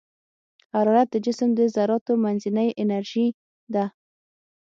حرارت د جسم د ذراتو منځنۍ انرژي ده.